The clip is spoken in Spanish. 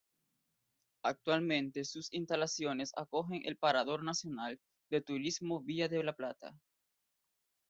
Actualmente sus instalaciones acogen el Parador Nacional de Turismo Vía de la Plata.